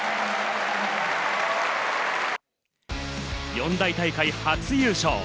四大大会初優勝。